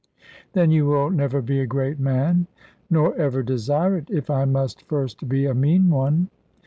"Then you will never be a great man." "Nor ever desire it, if I must first be a mean one."